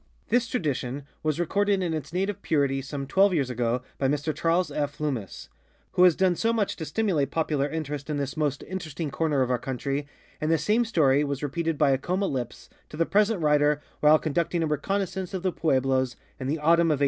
This tradition was recorded in its native purity some twelve years ago by Mr Charles F. Lummis, who has done so much to stimulate popular interest in this most interesting corner of our country, and the same story was repeated by Acoma lips to the present writer while conducting a reconnaissance of the pueblos in the autumn of 1895.